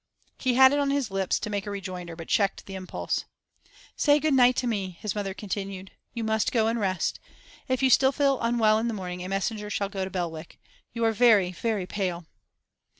He had it on his lips to make a rejoinder, but checked the impulse. 'Say good night to me,' his mother continued. 'You must go and rest. If you still feel unwell in the morning, a messenger shall go to Belwick. You are very, very pale.